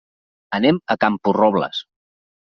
Anem a Camporrobles.